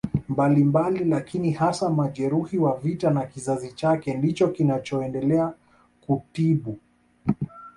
mbalimbali lakini hasa majeruhi wa vita na kizazi chake ndicho kinachoendelea kutibu